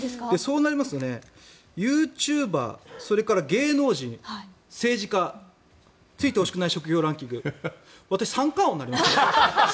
そうなりますとユーチューバーそれから芸能人、政治家就いてほしくない職業ランキング私三冠王になります。